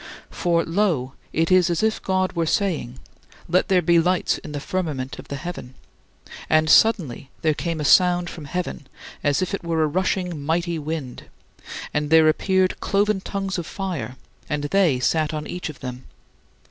For lo, it is as if God were saying, "Let there be lights in the firmament of the heaven": and suddenly there came a sound from heaven, as if it were a rushing mighty wind, and there appeared cloven tongues of fire, and they sat on each of them.